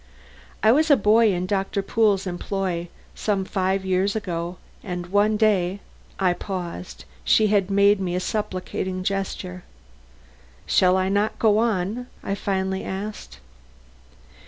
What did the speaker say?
"I was a boy in Doctor Pool's employ some five years ago, and one day " I paused; she had made me a supplicating gesture. "Shall I not go on?" I finally asked.